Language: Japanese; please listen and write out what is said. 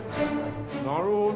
なるほど！